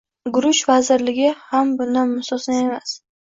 “Guruch vazirligi ham bundan mustasno emas